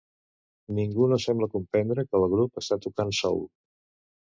Ningú no sembla comprendre que el grup està tocant soul.